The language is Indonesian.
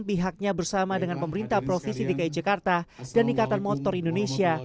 pihaknya bersama dengan pemerintah provinsi dki jakarta dan ikatan motor indonesia